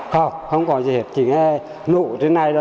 không có chứng hiệu bỏ cháy ạ